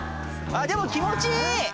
でも気持ちいい！